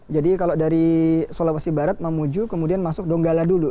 jadi kalau dari sulawesi barat mamuju kemudian masuk donggala dulu